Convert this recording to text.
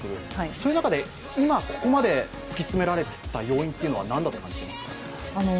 その中で今、ここまで突き詰められてきた要因は何だと思いますか？